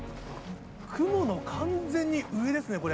雲の完全に上ですね、これ。